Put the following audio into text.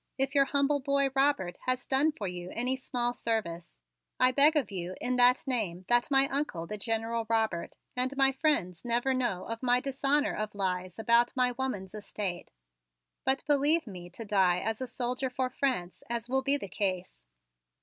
If your humble boy Robert has done for you any small service, I beg of you in that name that my Uncle, the General Robert, and my friends never know of my dishonor of lies about my woman's estate, but believe me to die as a soldier for France as will be the case.